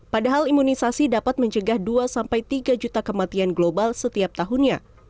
padahal imunisasi dapat mencegah dua tiga juta kematian global setiap tahunnya